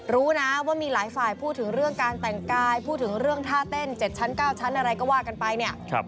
รู้นะว่ามีหลายฝ่ายพูดถึงเรื่องการแต่งกายพูดถึงเรื่องท่าเต้น๗ชั้น๙ชั้นอะไรก็ว่ากันไปเนี่ย